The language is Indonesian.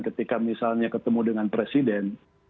ketika misalnya ketemu dengan presiden